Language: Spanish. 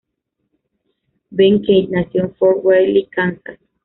Ben Keith nació en Fort Riley, Kansas.